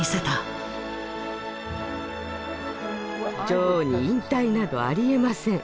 女王に引退などありえません。